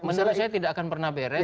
masalah itu saya tidak akan pernah beres